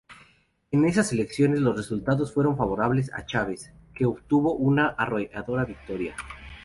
En esas elecciones los resultados fueron favorables a Chávez, que obtuvo una arrolladora victoria.